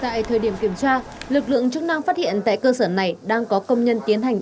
tại thời điểm kiểm tra lực lượng chức năng phát hiện tại cơ sở này đang có công nhân tiến hành